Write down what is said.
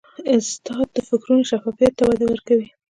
استاد د فکرونو شفافیت ته وده ورکوي.